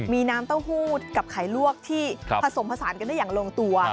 มีน้ำเต้าหู้กับไข่ลวกที่ผสมผสานกันได้อย่างลงตัว